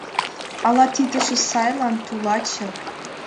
— Ала тидыже сайлан, тулаче?